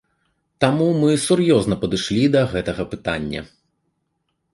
Таму мы сур'ёзна падышлі да гэтага пытання.